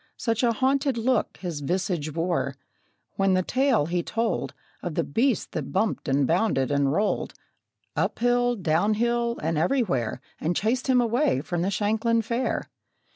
Such a haunted look his visage wore, When the tale he told Of the beast that bumped and bounded and rolled, Up hill, down hill, and everywhere, And chased him away from the Shanklin Fair!